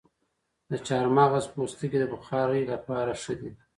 د چارمغز پوستکي د بخارۍ لپاره ښه دي؟